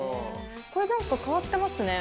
これなんか変わってますね。